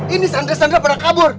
ini sandra sandra pernah kabur